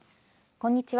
こんにちは。